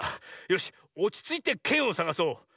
よしおちついてけんをさがそう。